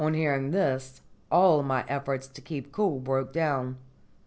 On hearing this all my efforts to keep cool broke down.